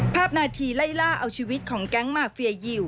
ภาพนาทีไล่ล่าเอาชีวิตของแก๊งมาเฟียยิว